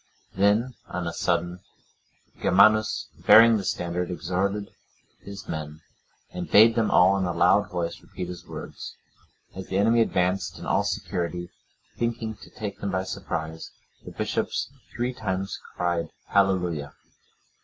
Then, on a sudden, Germanus, bearing the standard, exhorted his men, and bade them all in a loud voice repeat his words. As the enemy advanced in all security, thinking to take them by surprise, the bishops three times cried, "Hallelujah."